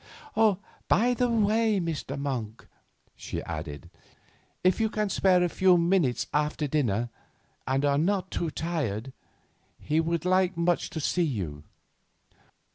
"By the way, Mr. Monk," she added; "if you can spare a few minutes after dinner, and are not too tired, he would so much like to see you."